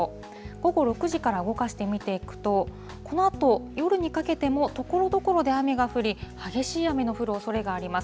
午後６時から動かして見ていくと、このあと夜にかけてもところどころで雨が降り、激しい雨の降るおそれがあります。